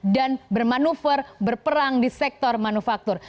dan bermanuver berperang di sektor manufaktur